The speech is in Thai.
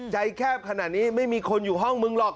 แคบขนาดนี้ไม่มีคนอยู่ห้องมึงหรอก